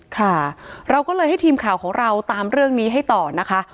ค่ะเราก็เลยให้ทีมข่าวของเราตามเรื่องนี้ให้ต่อนะคะ